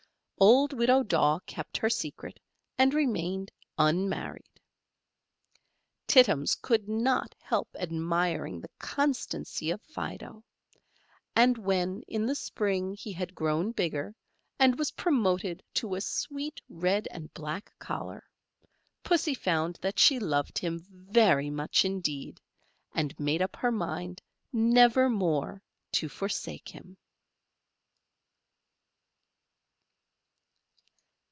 Old Widow Daw kept her secret, and remained unmarried. Tittums could not help admiring the constancy of Fido; and when in the spring he had grown bigger, and was promoted to a sweet red and black collar, Pussy found that she loved him very much indeed, and made up her mind never more to forsake him.